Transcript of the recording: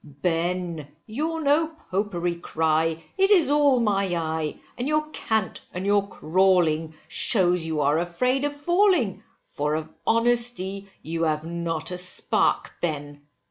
Ben, your No Popery cry, it is all my eye, and your cant and your crawling, shews you are afraid of falling, for of honesty you have not a spark, Ben.